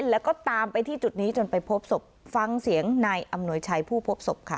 แล้วก็ตามไปที่จุดนี้จนไปพบศพฟังเสียงนายอำนวยชัยผู้พบศพค่ะ